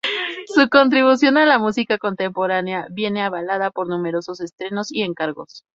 Su contribución a la música contemporánea viene avalada por numerosos estrenos y encargos.